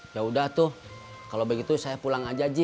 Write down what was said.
yaudah tuh kalau begitu saya pulang aja aji